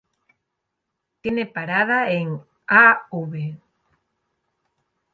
Tiene parada en: Av.